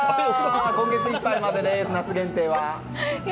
今月いっぱいまでの夏限定です。